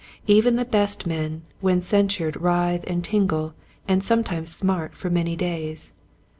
Even the best men when censured writhe and tingle and sometimes smart for many days.